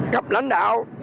gặp lãnh đạo